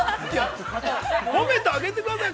◆褒めてあげてくださいよ。